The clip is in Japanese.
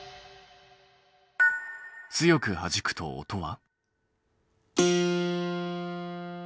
強くはじくと音は？